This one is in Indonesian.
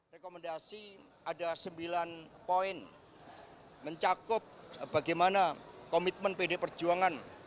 rekomendasi ada sembilan poin mencakup bagaimana komitmen pdi perjuangan